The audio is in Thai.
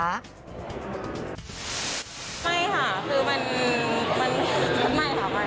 มันไม่ค่ะมัน